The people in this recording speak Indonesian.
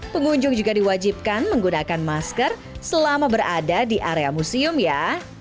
pengunjung juga diwajibkan menggunakan masker selama berada di area museum ya